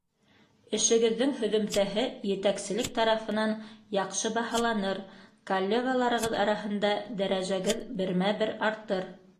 Эшегеҙҙең һөҙөмтәһе етәкселек тарафынан яҡшы баһаланыр, коллегаларығыҙ араһында дәрәжәгеҙ бермә-бер артыр.